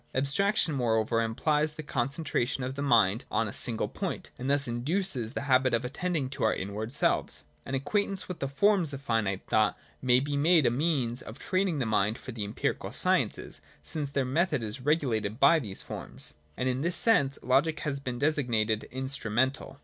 Abstraction moreover implies the concentration of the mind on a single point, and thus induces the habit of attending to our inward selves. An acquaintance with the forms of finite thought may be made a means of training the mind for the empirical sciences, since their method is regulated by these forms : and in this sense logic has been designated Instrumental.